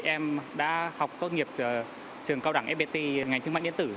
em đã học công nghiệp trường cao đẳng fpt ngành chứng mạnh điện tử